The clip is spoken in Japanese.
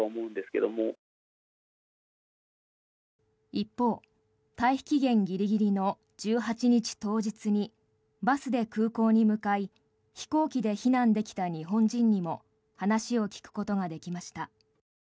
一方、退避期限ギリギリの１８日当日にバスで空港に向かい飛行機で避難できた日本人にも話を聞くことができました。